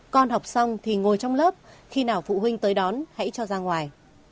con học xong thì ngồi trong lớp khi nào phụ huynh tới đón hãy cho ra ngoài